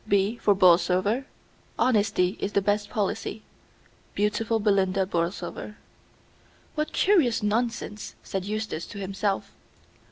B, for Borlsover. Honesty is the Best Policy. Beautiful Belinda Borlsover." "What curious nonsense!" said Eustace to himself.